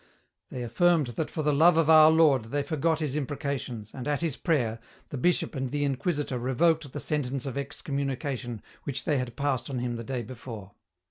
They affirmed that for the love of Our Lord they forgot his imprecations, and, at his prayer, the Bishop and the Inquisitor revoked the sentence of excommunication which they had passed on him the day before.